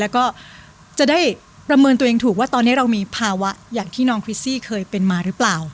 แล้วก็จะได้ประเมินตัวเองถูกว่าตอนนี้เรามีภาวะอย่างที่น้องคริสซี่เคยเป็นมาหรือเปล่า